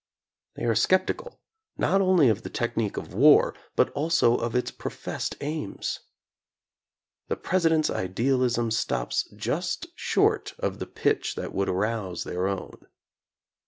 They are skeptical not only of the technique of war, but also of its professed aims. The President's idealism stops just short of the pitch that would arouse their own.